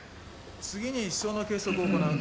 次に刺創の計測を行う。